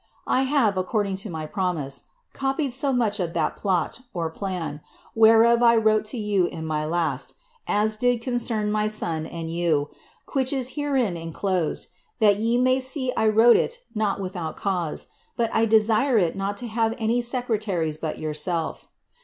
*^ I have, according to my promise, copied so much of that phi (plan) whereof I wrote to you in my last, as did concern my son and you, quhick is herein en closed, that ye may see I wrote it not without cause ; but I desire it not to have any secretaries but yourself.